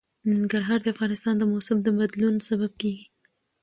ننګرهار د افغانستان د موسم د بدلون سبب کېږي.